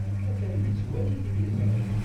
Atan yettwali tiliẓri.